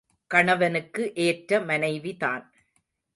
கணவனுக்கு ஏற்ற மனைவிதான்.